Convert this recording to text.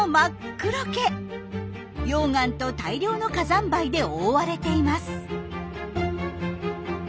溶岩と大量の火山灰で覆われています。